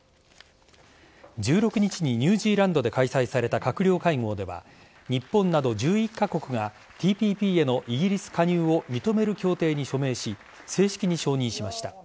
１６日にニュージーランドで開催された閣僚会合では日本など１１カ国がＴＰＰへのイギリス加入を認める協定に署名し正式に承認しました。